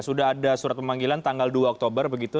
sudah ada surat pemanggilan tanggal dua oktober begitu